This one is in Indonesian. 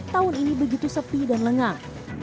tahun ini begitu sepi dan lengang